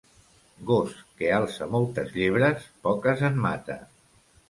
Gos que alça moltes llebres, poques en mata.